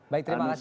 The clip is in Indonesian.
baik terima kasih